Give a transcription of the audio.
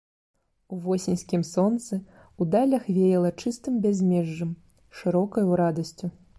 У восеньскім сонцы, у далях веяла чыстым бязмежжам, шырокаю радасцю.